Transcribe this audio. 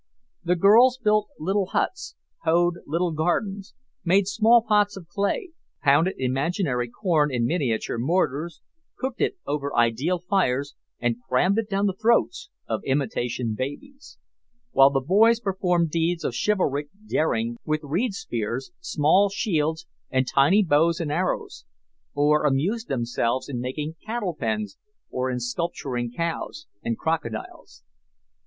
The girls built little huts, hoed little gardens, made small pots of clay, pounded imaginary corn in miniature mortars, cooked it over ideal fires, and crammed it down the throats of imitation babies; while the boys performed deeds of chivalric daring with reed spears, small shields, and tiny bows and arrows, or amused themselves in making cattle pens, and in sculpturing cows and crocodiles.